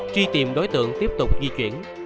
truy tìm đối tượng tiếp tục di chuyển